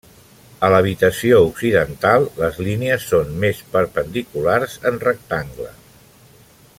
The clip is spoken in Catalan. A l'habitació occidental les línies són més perpendiculars en rectangle.